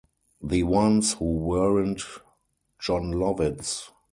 The ones who weren't Jon Lovitz.